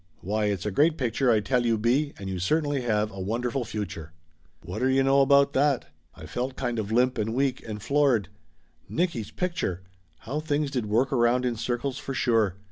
Why, it's a great picture, I tell you, B., and you certainly have a wonderful future !" Whatter you know about that! I felt kind of limp and weak, and floored. Nicky's picture ! How things did work around in circles for sure.